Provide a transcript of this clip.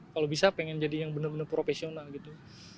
kalau bisa pengen jadi yang bener bener profesional gitu